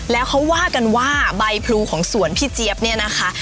แล้วเขาว่ากันว่าใบพลูของสวนพี่เจี๊ยบเนี่ยนะคะ